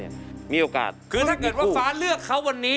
มีโอกาสแรงที่มีคู่ก็คือถ้าเกิดว่าฟ้าเลือกเขาวันนี้